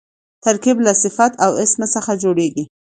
ترکیب له صفت او اسم څخه جوړېږي.